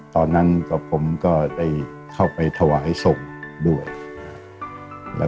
ตอนนั้นผมได้เข้าไปถวายส่งด้วย